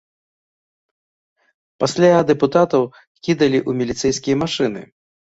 Пасля дэпутатаў кідалі ў міліцэйскія машыны.